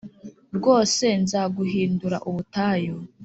Rwose nzaguhindura ubutayu